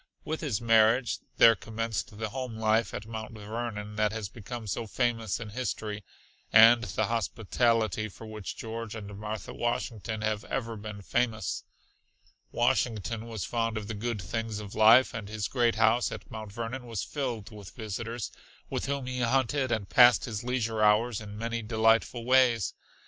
With his marriage there commenced the home life at Mount Vernon that has become so famous in history, and the hospitality for which George and Martha Washington have ever been famous. Washington was fond of the good things of life, and his great house at Mount Vernon was filled with visitors, with whom he hunted and passed his leisure hours in many delightful ways.